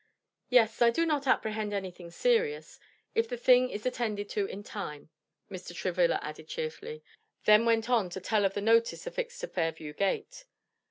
"Yes; I do not apprehend any thing serious, if the thing is attended to in time," Mr. Travilla added cheerfully; then went on to tell of the notice affixed to Fairview gate.